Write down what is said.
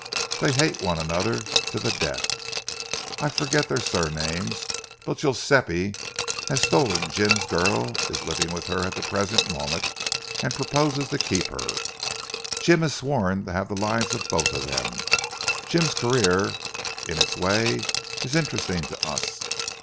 They hate one another to the death. I forget their surnames, but Guiseppe has stolen Jim's girl, is living with her at the present moment, and proposes to keep her. Jim has sworn to have the lives of both of them. Jim's career, in its way, is interesting to us.